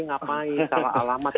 ngapain salah alamat